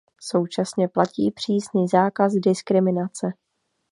Současně platí přísný zákaz diskriminace.